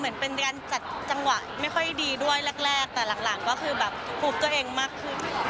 เหมือนเป็นการจัดจังหวะไม่ค่อยดีด้วยแรกแต่หลังก็คือแบบฟุบตัวเองมากขึ้น